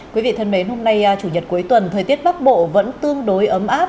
quý vị thân mến hôm nay chủ nhật cuối tuần thời tiết bắc bộ vẫn tương đối ấm áp